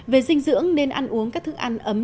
về dinh dưỡng nên ăn uống các thức ăn ấm